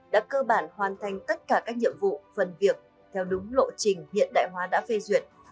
đã cơ bản hoàn thành tất cả các nhiệm vụ phần việc theo đúng lộ trình hiện đại hóa đã phê duyệt